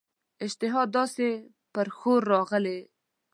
اشتها داسي پر ښور راغلې وه.